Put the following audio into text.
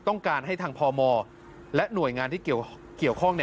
ต้องการให้ทางพมและหน่วยงานที่เกี่ยวข้อง